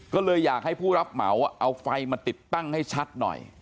ก็เลยอยากให้ผู้รับเหมาเอาไฟมาติดตั้งให้ชัดหน่อย